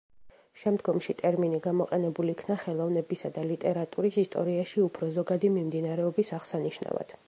შემდგომში ტერმინი გამოყენებულ იქნა ხელოვნებისა და ლიტერატურის ისტორიაში უფრო ზოგადი მიმდინარეობის აღსანიშნავად.